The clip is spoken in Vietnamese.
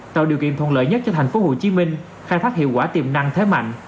tạo điều kiện thuận lợi nhất cho tp hcm khai thác hiệu quả tiềm năng thế mạnh